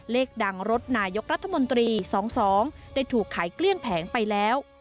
เลขดังรถนายกรัฐมนตรี๒๒ได้ถูกขายเกลี้ยงแผงไปแล้ว